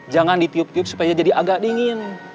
jangan ditiup tiup supaya jadi agak dingin